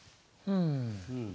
うん。